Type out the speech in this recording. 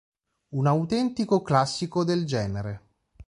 Un autentico classico del genere.